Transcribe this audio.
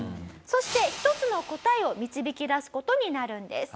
そして一つの答えを導き出す事になるんです。